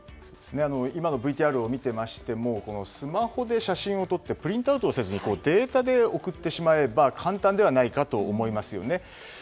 今のＶＴＲを見ていましてもスマホで写真を撮ってプリントアウトをせずにデータで送ってしまえば簡単ではないかと思いますよね。